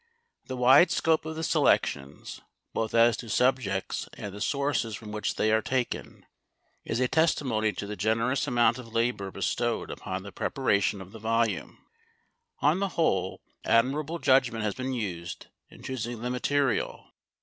The wide scope of the selections, both as to subjects and the sources from which they are taken, is a testimony to the generous amount of labor bestowed upon the preparation of the volume. On the whole, admirable judgment has been used in choosing the material.